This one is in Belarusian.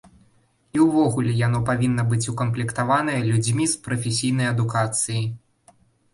І ўвогуле яно павінна быць укамплектаванае людзьмі з прафесійнай адукацыяй.